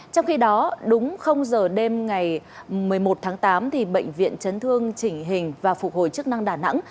trong khi đó đúng giờ đêm ngày một mươi một tháng tám bệnh viện chấn thương chỉnh hình và phục hồi chức năng đà nẵng